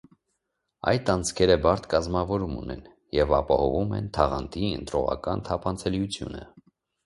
Այդ անցքերը բարդ կազմավորում ունեն և ապահովում են թաղանթի ընտրողական թափանցելիությունը։